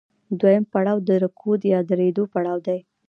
دویم پړاو د رکود یا درېدو پړاو دی